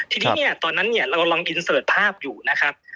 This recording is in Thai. ทีนี้เนี่ยตอนนั้นเนี่ยเราลองอินเสิร์ชภาพอยู่นะครับ